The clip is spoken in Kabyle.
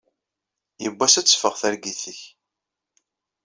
Yiwwas ad teffeɣ targit-ik.